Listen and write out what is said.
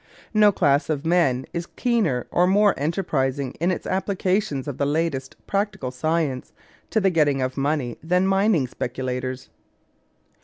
No class of men is keener or more enterprising in its applications of the latest practical science to the getting of money than mining speculators.